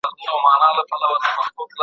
شعر ویده اروا ویښوي.